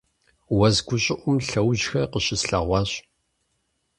Уэс гущӀыӀум лъэужьхэр къыщыслъэгъуащ.